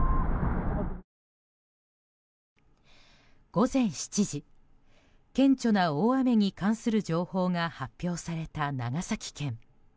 午前７時顕著な大雨に関する情報が発表された長崎県。